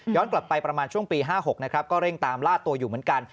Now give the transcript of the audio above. กลับไปประมาณช่วงปี๕๖นะครับก็เร่งตามล่าตัวอยู่เหมือนกัน